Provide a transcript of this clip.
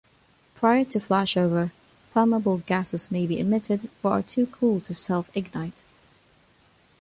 Prior to flashover, flammable gases may be emitted but are too cool to self-ignite.